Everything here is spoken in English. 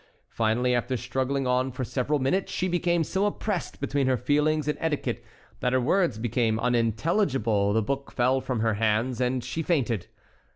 Finally, after struggling on for several minutes, she became so oppressed between her feelings and etiquette that her words became unintelligible, the book fell from her hands, and she fainted.